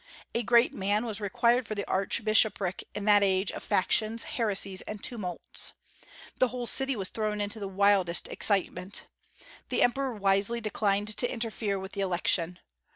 A great man was required for the archbishopric in that age of factions, heresies, and tumults. The whole city was thrown into the wildest excitement. The emperor wisely declined to interfere with the election.